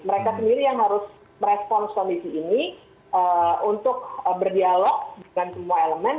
mereka sendiri yang harus merespons kondisi ini untuk berdialog dengan semua elemen